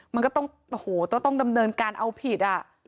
มันก็ต้องโอ้โหต้องดำเนินการเอาผิดอ่ะ